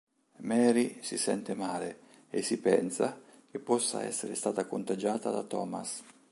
Mary si sente male e si pensa che possa essere stata contagiata da Thomas.